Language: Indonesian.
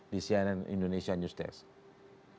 di cnn indonesia news desk